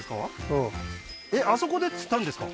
そうあそこで釣ったんですか？